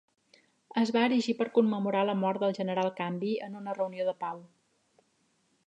Es va erigir per commemorar la mort del general Canby en una reunió de pau.